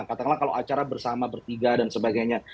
katakanlah kalau acara bersama bertiga dan sebagainya